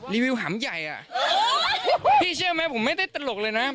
วิวหามใหญ่อ่ะพี่เชื่อไหมผมไม่ได้ตลกเลยนะ